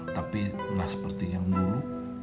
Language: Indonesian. tapi itulah seperti yang dulu